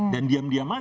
dan diam diam aja kita